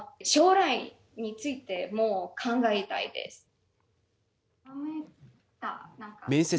将来についても考えたいです。